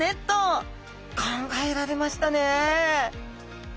考えられましたね